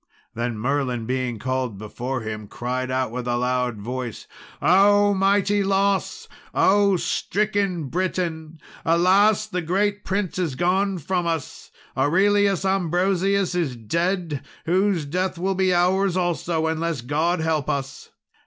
Then Merlin, being called before him, cried with a loud voice: "O mighty loss! O stricken Britain! Alas! the great prince is gone from us. Aurelius Ambrosius is dead, whose death will be ours also, unless God help us.